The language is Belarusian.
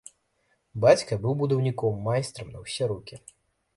Бацька быў будаўніком, майстрам на ўсе рукі.